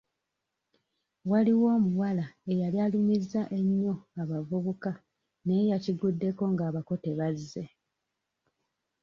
Waliwo omuwala eyali alumizza ennyo abavubuka naye yakiguddeko ng'abako tebazze.